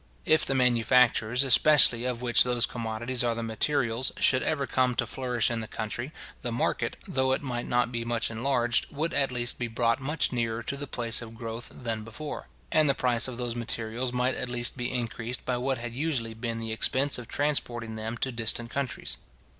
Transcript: If the manufactures, especially, of which those commodities are the materials, should ever come to flourish in the country, the market, though it might not be much enlarged, would at least be brought much nearer to the place of growth than before; and the price of those materials might at least be increased by what had usually been the expense of transporting them to distant countries.